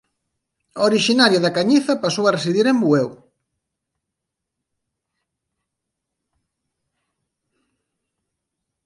Orixinaria da Cañiza pasou a residir en Bueu.